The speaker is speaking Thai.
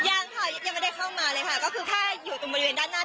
ยังค่ะยังไม่ได้เข้ามาเลยค่ะก็คือแค่อยู่ตรงบริเวณด้านหน้า